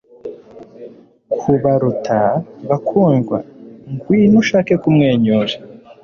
kubaruta, bakundwa, ngwino ushake kumwenyura